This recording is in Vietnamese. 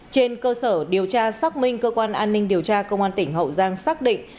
trên cơ sở điều tra xác minh cơ quan an ninh điều tra công an tỉnh hậu giang xác định